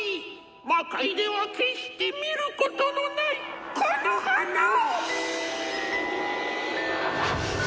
魔界では決して見ることのないこの花を！